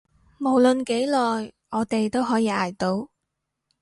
無論幾耐，我哋都可以捱到